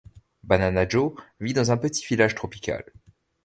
Banana Joe vit dans un petit village tropical.